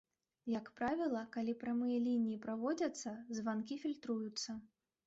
Як правіла, калі прамыя лініі праводзяцца, званкі фільтруюцца.